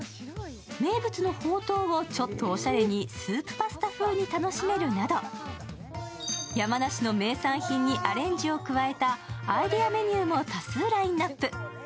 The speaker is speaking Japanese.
名物のほうとうをちょっとおしゃれにスープパスタ風に楽しめるなど山梨の名産品にアレンジを加えたアイデアメニューも多数ラインナップ。